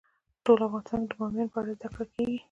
په ټول افغانستان کې د بامیان په اړه زده کړه کېږي.